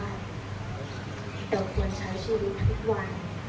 เราควรใช้ชีวิตทุกวัน